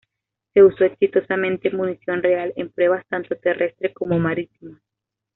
Se usó exitosamente munición real en pruebas tanto terrestres como marítimas.